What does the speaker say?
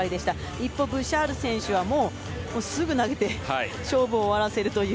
一方、ブシャール選手はすぐ投げて勝負を終わらせるという。